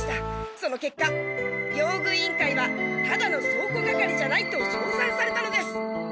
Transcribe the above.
その結果用具委員会はただの倉庫係じゃないと称賛されたのです！